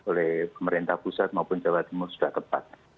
oleh pemerintah pusat maupun jawa timur sudah tepat